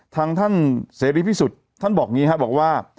ทางท่านเสรียรีย์พิสุทธิ์ท่านบอกว่า